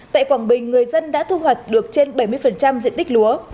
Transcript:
tại quảng bình người dân đã thu hoạch được trên bảy mươi diện tích lúa